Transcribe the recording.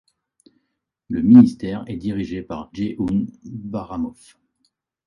Le ministère est dirigé par Djeyhoun Baïramov.